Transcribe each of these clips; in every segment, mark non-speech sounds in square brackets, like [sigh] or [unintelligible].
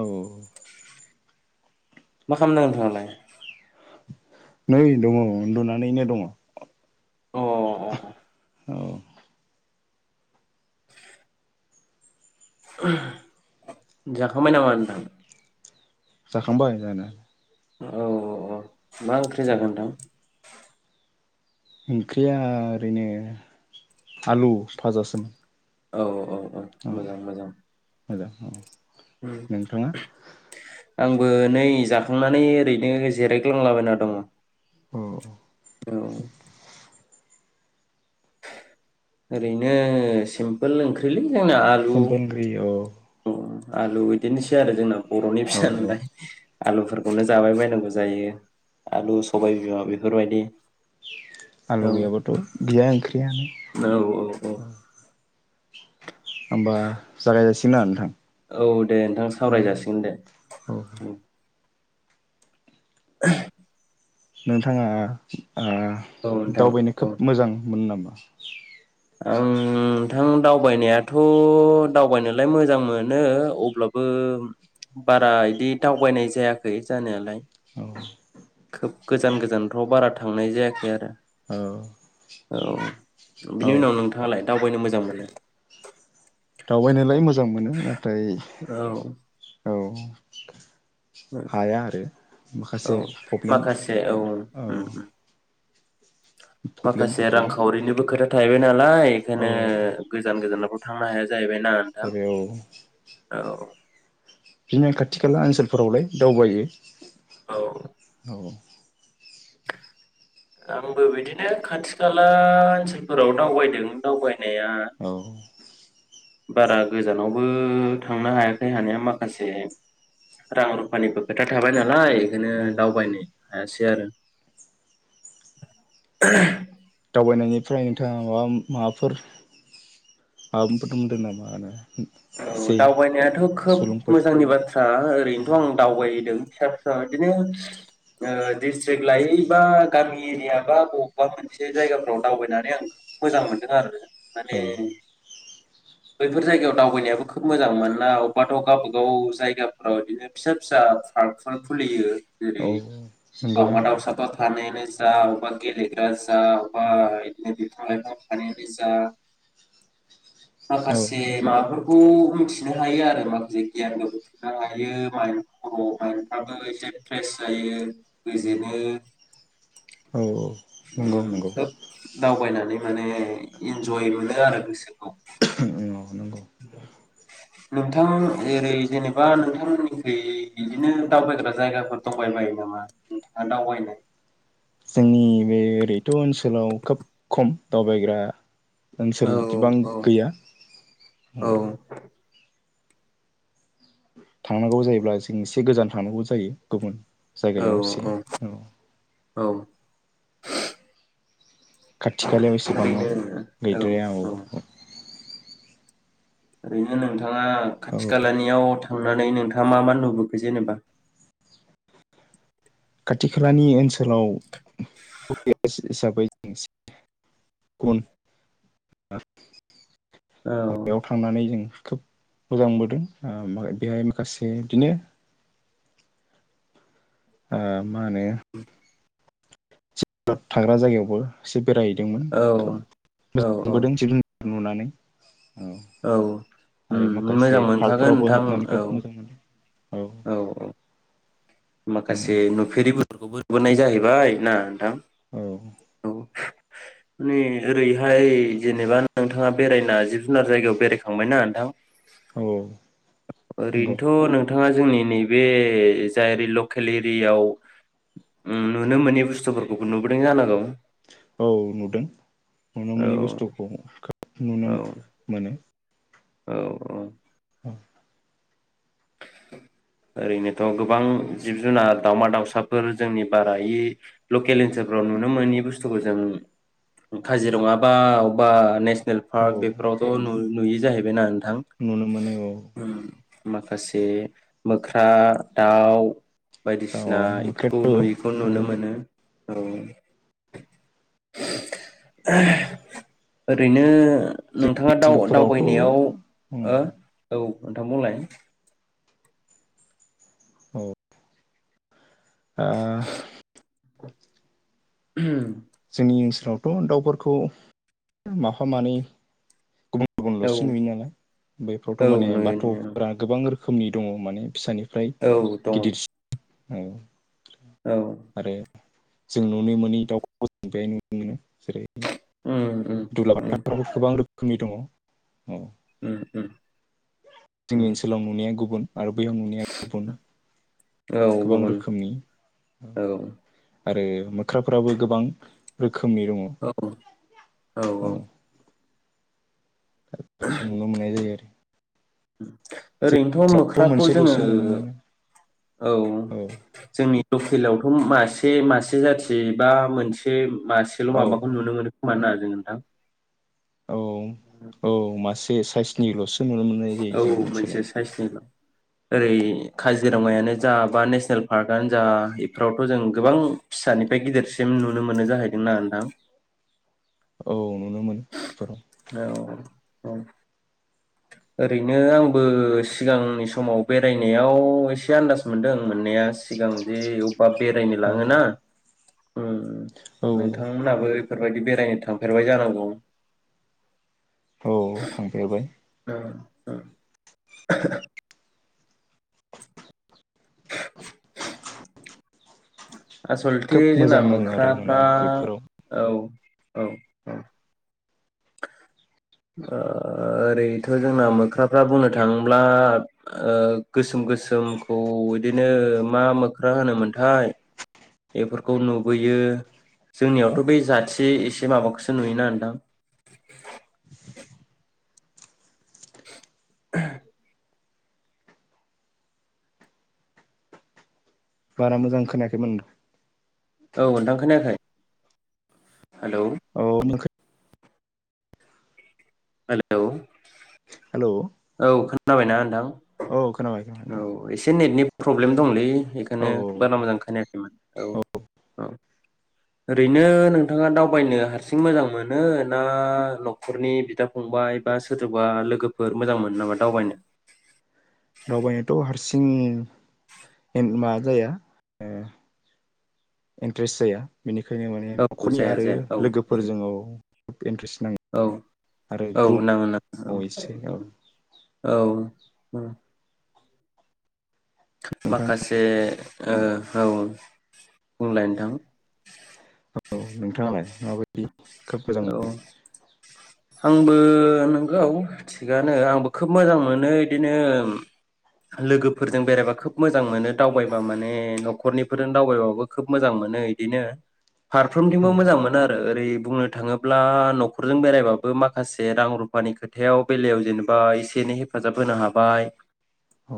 औ औ मा खालामदों नोंथाङालाय नै दङ उन्दुनानैनो दङ। अ अ जाखांबाय नामा नोथां जाखांबाय जानाय औ औ मा ओंख्रि जागोनथां। ओंख्रिया ओरैनो आलु फाजासोम औ औ औ औ मोजां मोजां मोजां औ नोंथाङा आंबो नै जाखांनानै ओरैनो जिरायग्लांलाबायना दङ। औ। ओरैनो सिमपोल ओंख्रिलै। जोंना आलु सप [unintelligible] औ औ आलु बिदिनोसै आरो जोंनाव बर'नि औ फिसा औ नालाय आलुफोरखौनो जाबाय बायनांगौ जायो आलु, सबाय बिमा बेफोरबायदि औ आलु गैयाब्लाथ गैया औ औ ओंख्रियानो [inaudible] होमबा जागाय जासि थिना नोंथां औ दे नोंथां औ सावराय जासिगोन दे औ उम [unintelligible] नोंथाङा ओ औ नोंथां दावबायनो खोब औ मोजां मोनो नामा? [inaudible] आं आं दावबायनायाथ' दावबायनोलाय मोजां मोनो अब्लाबो बारा इदि दावबायनाय जायाखै जानायालाय औ गोजान गोजानथ' बारा थांनाय जायाखै आरो औ औ औ बिनि उनाव नोंथाङालाय दावबायनो मोजां मोनो दावबायनोलाय मोज जां मोनो नाथाय औ औ [inaudible] ओ हाया आरो औ माखासे प्रब्लेम माखासे औ उम उम औ प्रब्लेम माखासे थायो रांखावरिनिबो खोथा थायबाय ना लाय औ एखोनो गोजान गोजानाव थांनो हाया जाहैबाय ना नोंथां आरो औ औ बिदिनो खाथि खाला ओनसोलफोरावलाय दावबायो। औ औ आंबो बिदिनो खाथि खाला ओनसोलफोराव दावबायदों दावबाय नाया औ बारा गोजानावबो थांनो हायाखै हानाया माखासे रां रुफानिबो खोथा थाबाय नालाय बेनो औ दावबायनाय हायासै दि आरो दावबायनायनिफ्राय नोंथाङा माबा माबाफोर आबुंफोर मोनदों नामा होनो औ दावबायनायाथ' खोब सुलुंफोर मोजांनि बाथ्रा ओरैनोथ आं दावबायदों। फिसा फिसा बिदिनो ओ दिस्ट्रिक लायै बा गामि एरिया बा बबबा मोनसे जायगाफ्राव दावबायनानै आं मोजां मोनदों आरो माने औ बैफोर जायगायाव दावबायनायाबो खोब मोजां मोना अबेबाथ गावबाागाव जायगाफ्राव बिदिनो फिसा फिसा पार्कफोर खुलियो। औ जेरै नंगौ दावमा दाउसाथ थानायानो जा बबेबा गेलेग्रा जा बबबा बिदिनो बिफां लाइफां थानायानो जा औ माखासे मा खौ मिथिनो हायो आरो माखासे गियानखौ बुथुमनो हायो। मायन्द खर' मायन्दफ्राबो एसे फ्रेस जायो गोजोनो। औ नंगौ उम नंगौ थ' दावबायना बे माने इनजय मोनो आरो गोसो औ नंगौ। नोंथां ओरै जेनेबा नोंथांमोनिखै बिदिनो दावबायग्रा जायगाफोर दंबाय बायो नामा नोंथाङा दावबायनाय? जोंनि बे ओरैथ' ओनसोलाव खोब खम दावबायग्रा औ ओनसोल गोबां औ गैया औ थांनांगौ जायोब्ला जों एसे गोजान थांनांगौ जायो गुबुन औ जायगायाव एसे औ औ। खाथि खालायाव ओरैनो एसेबांआव गैद्राया औ। ओरैनो नों थाङा खाथि औ खालानियाव थां नानै नोंथाङा मा मा नुबोखो जेनेबा? खाथि खालानि ओनसो लाव [unintelligible] हिसाबै [unintelligible] गन औ [unintelligible] याव थांनानै जों खोब मोजां मोनबोदों ओ बेहाय माखासे बिदिनो ओ माने [unintelligible] थाग्रा जायगायावबो एसे बेरायहैदोंमोन औ खोब औ मोजां औ मोनबोदों नुनानै औ औ आरो ओम मोजां माखासे मोनखागोन पार्कफोरावबो नोंथां हाबनानै खोब औ। मोजां मोनदों औ औ। औ माखासे नुफेरि बुस्थुफोरखौबो नुबोनाय जाहैबाय ना नोंथां औ। औ नै ओरैहाय जेनेबा नोंथाङा बेरायना जिब जुनार जायगायाव बेरायखांबायना नोंथां? औ नंगौ। ओरैनोथ' नोंथाङा जोंनि नैबे जायरि लकेल एरियायाव उम नुनो मोनै बुस्थुफोरखौबो नुबोदों जानांगौ। औ नुदों नुनो मोनै औ बुस्थुखौ खोब नुनो औ मोनो। औ औ। [inaudible] ओरैनोथ' गोबां जिब जुनार दाउमा-दाउसाफोर जोंनि बारा इ लकेल ओनसोलफ्राव नुनो मोनै बुस्थुखौ जों काजिरङा बा अबा नेस नेल औ पार्क बेफोरावथ' नुयो जाहैबायना नोंथां। नुनो मोनो औ आं उम। मा खासे मोख्रा, दाउ। औ बायदिसिना इफोरखौ मोख्रेब नुयैखौ औ औ नुनो मोनो। औ [inaudible] ओरैनो। नोंथाङा दाव जोंनि ओनसोलफोरावथ' दावबायनायाव ओ औ। ओ नोंथां बुंलाय। औ। आ। [inaudible] जोंनि ओनसोलावथ दाउफोरखौ माफा मानै गुबु औ गुबुनलसो नुयो नालाय बैफ्रावथ औ माने नुयो नुयो बाथफोरा गोबां रोखो खोमनि दङ माने फिसानि औ दङ। औ। औ। आरो जों नुनो मोनै दाव [unintelligible] नुनो मोनो जेरै उम उम दुलाबाथा उम दाउ गोबां रोख खोमनि दङ औ। उम उम। जोंनि उम ओनसोलाव नुनाया गुबुन। आरो बैयाव नुनाया गुबुन औ गोबां गुबुन रोखोमनि औ। आरो मोख्राफोराबो गोबां रो औ औ औ‌। नुनो मोननाय जायो आरो। [inaudible] ओरैनोथ मोख्राखौ जोङो मोनसेल'सो नुनो मोनो औ जोंनि‌। लकेलावथ मासे मासे जाथि बा मोनसे। मासेल औ माबाखौ नुनो मोनो खोमा ना। नोंथां। औ औ मासे साइस। [unintelligible] औ मोनसे साइसनिल। ओरै काजिरङायानो जा बा नेसनेल पार्कआनो जा इफोरावथ जों गोबां फिसानिफ्राय गिदिरसिम नुनो मोनो जाहैदोंना नोंथां। औ नुनो मोनो बेफोराव औ उम ओरैनो आंबो सिगांनि समाव बेरायनायाव एसे आन्दाज मोनदों मोननाया सिगां जे बा बेरायनो औ लाङोना ओम औ औ नोंथांमोनहाबो बेफोरबायदि बेरायनो थांफेरबाय जानांगौ। औ थांफेरबाय। ओ ओ आसलथे खोब जोंना मोजां नाङो आरो माने मोख्राफ्रा बेफोराव औ औ औ ओ ओरैथ जोंना मोख्राफ्रा बुंनो ओ थाङोब्ला गोसोम गोसोमखौ बिदिनो मा मोख्रा होनोमोनथाय बेफोरखौ नुबोयो । जोंनियावथ बे जाथि बे एसे माबाखौसो नुयोना नोथां [inaudible] बारा मोजां खोनायाखैमोन औ नोथां खोनाखै? औ [unintelligible] हेलौ हेल' औ खोनाबायना नोंथां खोनाबाय खोनाबाय दा औ एसे नेटनि प्रब्लेम दंलै औ बेखायनो बारा मोजां खानायाखैमोन। औ औ ओरैनो नोंथाङा दावबायनो हारसिं मोजां मोनो ना नखरनि बिदा फंबाय बा सोरबा लोगोफोर मोजां मोन नामा दावबायनो। दावबायनोथ हारसिं मा जाया इन्ट्रेस्ट जाया। बेनिखायनो माने औ नखरनि जाया आरो जाया औ लोगोफोरजों औ इन्ट्रेस्ट नाङो औ आरो औ ग्रुप नांगौ नोंगौ अ एसे औ औ उम नोंथां माखासे ओ औ बुंलाय नोंथां। औ नोंथाङालाय माबायदि? खोब मोजां औ मोनो आंबो नंगौ थिगानो आंबो खोब मोजां मोनो बिदिनो लोगोफोरजों बेरायबा खोब मोजां मोनो दावबायबा माने नखरनिफोरजों दावबायबाबो खोब मोजां मोनो बिदिनो औ फारफ्रोमथिंबो मोजां मोनो आरो ओरै बुंनो थाङोब्ला नखरजों बेरायबाबो माखासे रां रुफानि खोथायाव बेलायाव जेनेबा एसे एनै हेफाजाब होनो हाबाय औ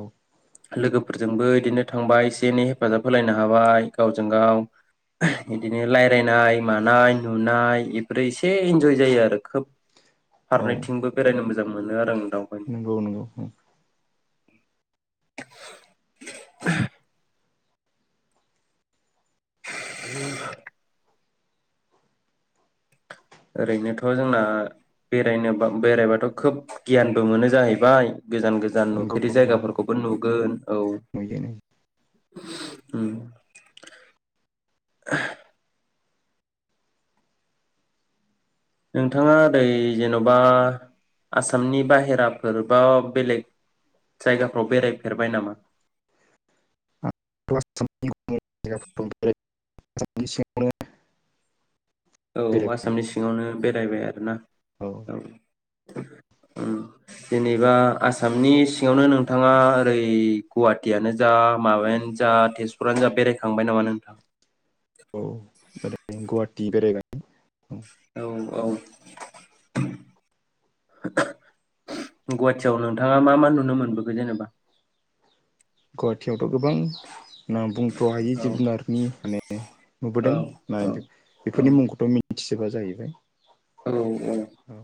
लोगोफोरजोंबो इदिनो थांबा एसे एनै हेफाजाब होलायनो हाबाय गावजों गाव बिदिनो रायजलायनाय मानाय नुनाय ओरै एसे इन्जय जायो आरो खोब। औ फारनैथिंबो बेरायनो मो जां मोनो आरो आङो नंगौ नंगौ उम [inaudible] [inaudible] ओरैनोथ' जोंना बेरायनो बेरायबाथ खोब गियानबो मोनो जाहैबाय गोजान गोजान नंगौ नुफेरि जायगाफोरखौबो नुगोन औ नंगौ नोंथाङा ओरै जेनबा आसामनि बाहेराफोर बा बेलेग जायगाफोराव बेरायफेरबाय नामा? [unintelligible] [unintelligible] औ बेरायबाय आसामनि सिङावनो बेरायबाय आरोना औ ओं जेनेबा आसामनि सिङावनो नोंथाङा ओरै गुवाहाटियानो जा माबायानो जा तेजपुरानो जा बेरायखांबाय नामा नोंथां? औ [unintelligible] गुवाहाटि बेरायबाइ औ औ गुवाहाटियाव नोंथाङा मा मा नुनो मोनबोखो जेनेबा? गुवाहाटियावथ' गोबां नाम बुंथ्र हायि औ जिब जुनारनि माने औ नुबोदों ना औ बेफोरनि मुंखौथ मिथिजोबा जाहैबाय औ औ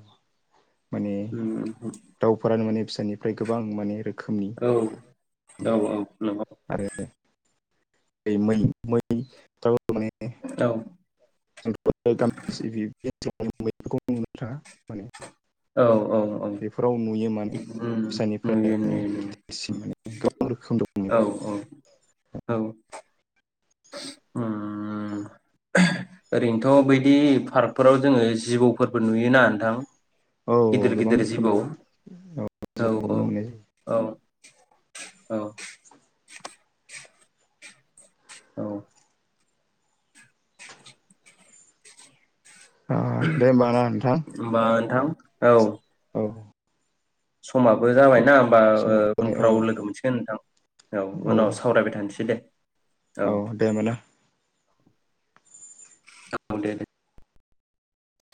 माने उम उम दाउफोरानो माने फिसानिफ्राय गोबां माने रोखो औ औ औ नंगौ आरो बे मै-मै माने [unintelligible] [unintelligible] औ फोरखौ नुनो थाङा माने औ औ औ बेफोराव नुयो माने उम फिसानिफ्राय नुयो माने नुयो गिदिरसिम नुयो माने गोबां रोखोम दं औ औ औ उम ओरैनोथ' बैदि पार्कफोराव जोङो जिबौफोरबो नुयोना नोंथां? औ गिदिर गोबां गिदिर जिबौ रोखोमनि औ नुनो मोननाय जायो औ औ औ औ ओ दे होमबा ना नोंथां होमबा नोंथां औ औ समाबो जाबाय ना होमबा ओ समाबो जाबाय औ उनफोराव लोगो मोनसिगोन नोंथां औ उनाव सावरायबाय थानोसै दे औ दे होमबा ना औ दे दे